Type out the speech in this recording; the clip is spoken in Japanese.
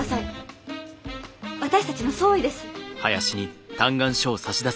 私たちの総意です。